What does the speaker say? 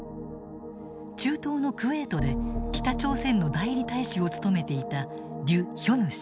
中東のクウェートで北朝鮮の代理大使を務めていたリュ・ヒョヌ氏。